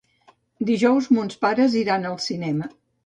Dijous mons pares iran al cinema.